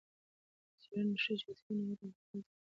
څېړنه ښيي چې عصبي ناروغۍ د بکتریاوو سره تړاو لري.